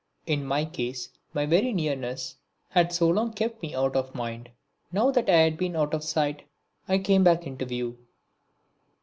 In my case my very nearness had so long kept me out of mind; now that I had been out of sight I came back into view.